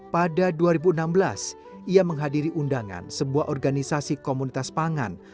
pada dua ribu enam belas ia menghadiri undangan sebuah organisasi komunitas pangan